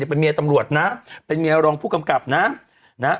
เป็นเมียตำรวจนะเป็นเมียรองผู้กำกับนะนะฮะ